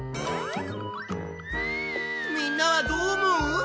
みんなはどう思う？